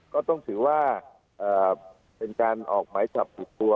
ก็ต้องถือว่าเป็นการออกหมายจับผิดตัว